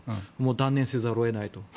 断念せざるを得ないと。